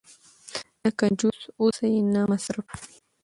نه کنجوس اوسئ نه مسرف.